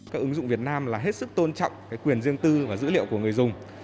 các ứng dụng việt nam là hết sức tôn trọng quyền riêng tư và dữ liệu của người dùng